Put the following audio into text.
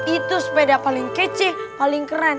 itu sepeda paling kece paling keren